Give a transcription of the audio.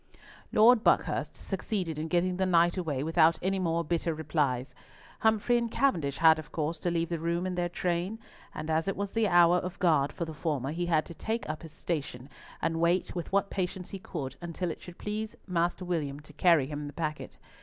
Lord Buckhurst succeeded in getting the knight away without any more bitter replies. Humfrey and Cavendish had, of course, to leave the room in their train, and as it was the hour of guard for the former, he had to take up his station and wait with what patience he could until it should please Master William to carry him the packet.